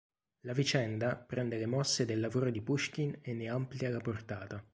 La vicenda prende le mosse del lavoro di Puškin e ne amplia la portata.